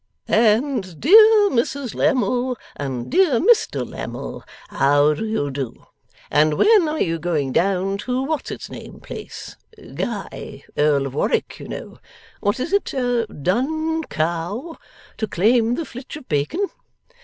And dear Mrs Lammle and dear Mr Lammle, how do you do, and when are you going down to what's its name place Guy, Earl of Warwick, you know what is it? Dun Cow to claim the flitch of bacon?